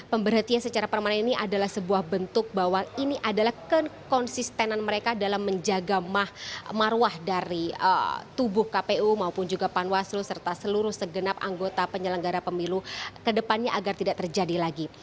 pemberhentian secara permanen ini adalah sebuah bentuk bahwa ini adalah kekonsistenan mereka dalam menjaga marwah dari tubuh kpu maupun juga panwaslu serta seluruh segenap anggota penyelenggara pemilu kedepannya agar tidak terjadi lagi